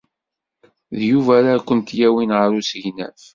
D Yuba ara kent-yawin ɣer usegnaf.